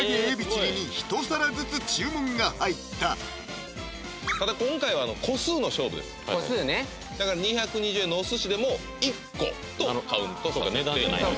チリに一皿ずつ注文が入ったただ今回は個数の勝負です個数ねだから２２０円のお寿司でも１個とカウントおっ来る？